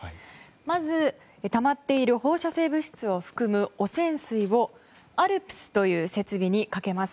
まず、たまっている放射性物質を含む汚染水をＡＬＰＳという設備にかけます。